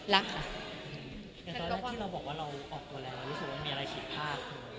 รักค่ะ